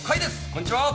こんにちは！